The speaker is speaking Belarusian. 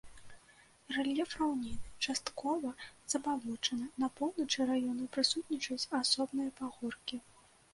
Рэльеф раўнінны, часткова забалочаны, на поўначы раёна прысутнічаюць асобныя пагоркі.